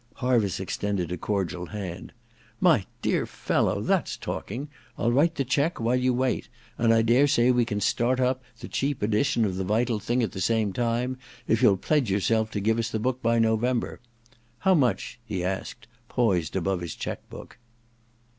Harviss extended a cordial hand. * My dear fellow, that's talking — I'll write the cheque while you wait ; and I daresay we can start up the cheap edition of " The Vital Thing " at the same time, if you'll pledge yourself to give us the book by November. — How much ?' he asked, poised above his cheque book.